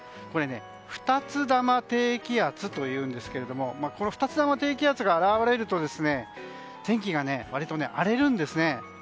これ、二つ玉低気圧というんですがこの二つ玉低気圧が現れると天気が割と荒れるんですね。